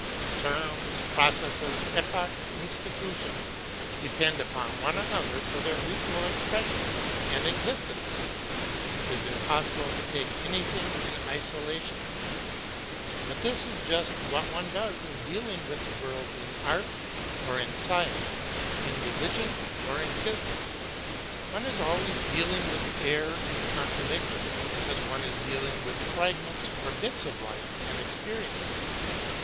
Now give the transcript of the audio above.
Terms, processes, epochs, institutions, depend upon one another for their meaning, expression, and exist ence; it is impossible to take anything in isolation. But this is just what one does in dealing with the world in art or in science, in religion or in business ; one is always deal ing with error and contradiction, because one is dealing with fragments or bits of life and experience.